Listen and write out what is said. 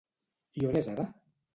I on és ara?